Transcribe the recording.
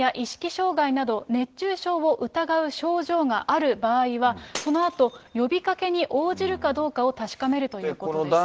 障害など、熱中症を疑う症状がある場合は、そのあと、呼びかけに応じるかどうかを確かめるということです。